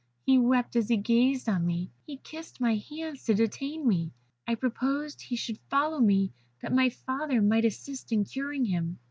He wept as he gazed on me; he kissed my hands to detain me. I proposed that he should follow me, that my father might assist in curing him.